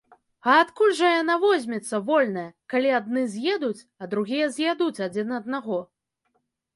А адкуль жа яна возьмецца, вольная, калі адны з'едуць, а другія з'ядуць адзін аднаго?